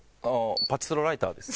パチスロライターです。